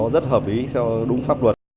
rất hợp ý theo đúng pháp luật